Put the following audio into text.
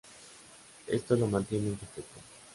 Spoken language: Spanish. Esto lo mantiene en secreto.